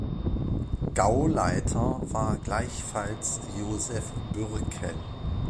Gauleiter war gleichfalls Josef Bürckel.